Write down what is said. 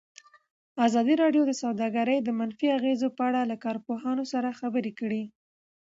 ازادي راډیو د سوداګري د منفي اغېزو په اړه له کارپوهانو سره خبرې کړي.